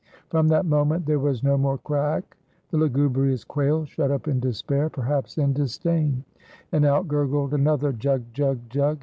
From that moment there was no more craake. The lugubrious quail shut up in despair, perhaps in disdain,* and out gurgled another jug! jug! jug!